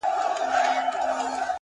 پرتكه سپينه پاڼه وڅڅېدې؛